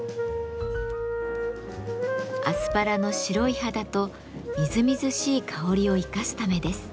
アスパラの白い肌とみずみずしい香りを生かすためです。